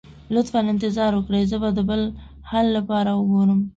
لطفا انتظار وکړئ، زه به د بل حل لپاره وګورم.